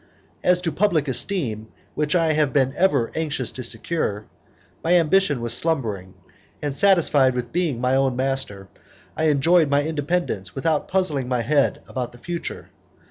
As to public esteem, which I had ever been anxious to secure, my ambition was slumbering, and satisfied with being my own master I enjoyed my independence without puzzling my head about the future.